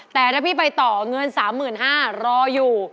แต่ถ้าพี่ไปต่อเงิน๓๕๐๐บาทรออยู่